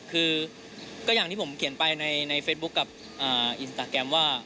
คือก็อย่างที่ผมเขียนไปในเฟซบุ๊คกับอินสตาแกรมว่า